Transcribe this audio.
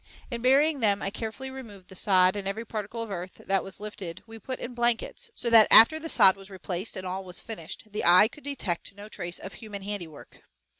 In burying them, I carefully removed the sod and every particle of earth that was lifted we put in blankets, so that after the sod was replaced and all was finished the eye could detect no trace of human handiwork.